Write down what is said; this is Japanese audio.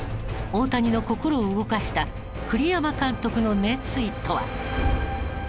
大谷の心を動かした栗山監督の熱意とは？